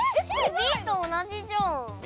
Ｂと同じじゃん。